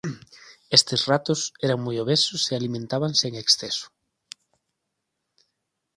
Estes ratos eran moi obesos e alimentábanse en exceso.